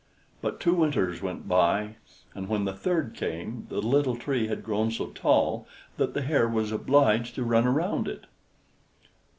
But two winters went by, and when the third came the little Tree had grown so tall that the hare was obliged to run round it.